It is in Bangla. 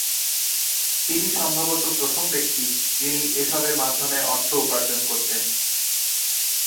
তিনি সম্ভবত প্রথম ব্যক্তি যিনি এসবের মাধ্যমে অর্থ উপার্জন করতেন।